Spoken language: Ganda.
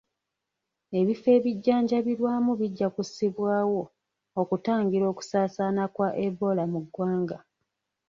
Ebifo ebijjanjabirwamu bijja kussibwawo okutangira okusaasaana kwa Ebola mu ggwanga.